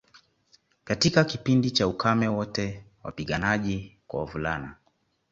Katika kipindi cha ukame wote wapiganaji kwa wavulana